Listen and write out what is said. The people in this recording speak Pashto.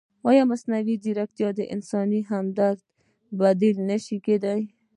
ایا مصنوعي ځیرکتیا د انساني همدردۍ بدیل نه شي کېدای؟